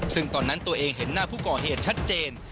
ซึ่งตอนนั้นตัวเองเห็นหน้าผู้ก่อเหตุชัดเจน